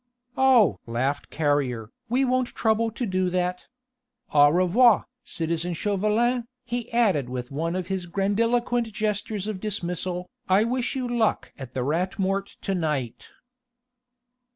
"Oh!" laughed Carrier, "we won't trouble to do that. Au revoir, citizen Chauvelin," he added with one of his grandiloquent gestures of dismissal, "I wish you luck at the Rat Mort to night."